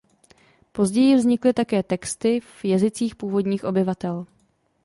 Později vznikly také texty v jazycích původních obyvatel.